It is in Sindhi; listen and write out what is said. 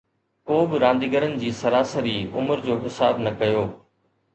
ڪو به رانديگرن جي سراسري عمر جو حساب نه ڪيو